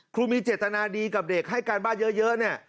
ครูมีเจตนาดีกับเด็กให้การบ้านเยอะเนี่ย